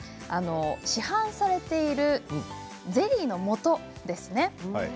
市販されているゼリーのもとですね。